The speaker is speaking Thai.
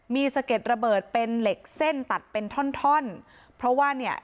มีสะเก็ดระเบิดเป็นเหล็กเส้นตัดเป็นท่อนท่อนเพราะว่าเนี่ย